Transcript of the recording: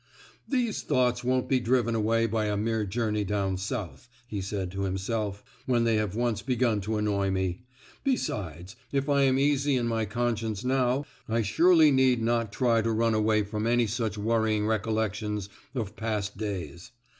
"These thoughts won't be driven away by a mere journey down south," he said to himself, "when they have once begun to annoy me; besides, if I am easy in my conscience now, I surely need not try to run away from any such worrying recollections of past days!"